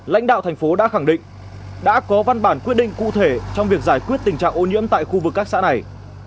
lãnh đạo thành phố đã khẳng định đã có văn bản quyết định cụ thể trong việc giải quyết tình trạng ô nhiễm tại khu vực các xã này